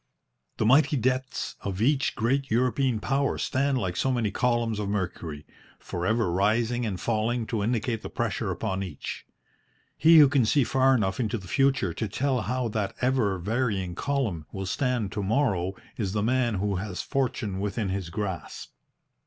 The mighty debts of each great European Power stand like so many columns of mercury, for ever rising and falling to indicate the pressure upon each. He who can see far enough into the future to tell how that ever varying column will stand to morrow is the man who has fortune within his grasp.